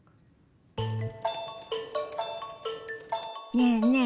ねえねえ